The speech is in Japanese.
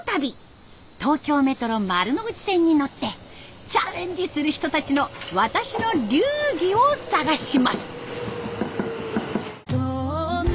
東京メトロ丸ノ内線に乗ってチャレンジする人たちの「私の流儀」を探します。